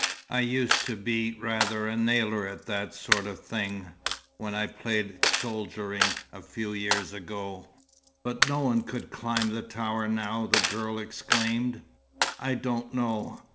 I used to be rather a nailer at that sort of thing, when I played at soldiering a few years ago." "But no one could climb the tower now!" the girl exclaimed. "I don't know.